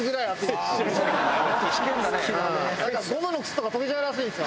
ゴムの靴とか溶けちゃうらしいんですよ。